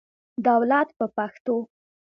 دولت په پښتو.